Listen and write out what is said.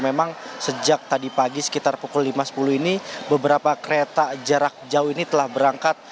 memang sejak tadi pagi sekitar pukul lima sepuluh ini beberapa kereta jarak jauh ini telah berangkat